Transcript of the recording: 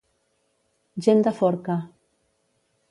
Gent de forca.